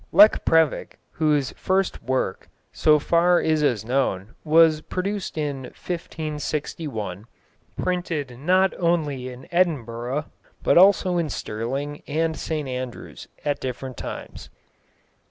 Lekprevik, whose first work, so far as is known, was produced in 1561, printed not only in Edinburgh, but also in Stirling and St Andrews, at different times.